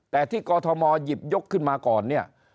แต่ที่กอทมหยิบยกขึ้นมาก่อนเนี่ย